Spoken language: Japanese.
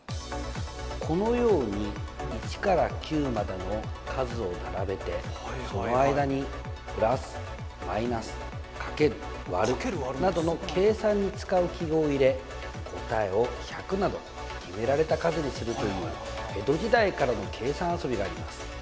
このように１から９までの数を並べてその間に「＋」「−」「×」「÷」などの計算に使う記号を入れ答えを「１００」など決められた数にするという江戸時代からの計算遊びがあります。